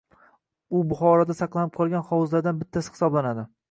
U Buxoroda saqlanib qolgan hovuzlardan bittasi hisoblanadi